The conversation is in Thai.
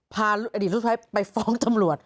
พาอดีตรุ๊กสุดท้ายไปฟ้องจำรวจ